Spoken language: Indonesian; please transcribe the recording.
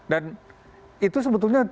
dan itu sebetulnya